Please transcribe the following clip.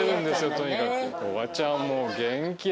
とにかく